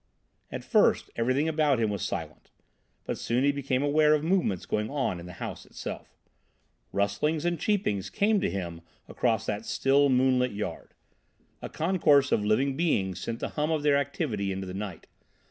At first everything about him was silent, but soon he became aware of movements going on in the house itself. Rustlings and cheepings came to him across that still, moonlit yard. A concourse of living beings sent the hum of their activity into the night.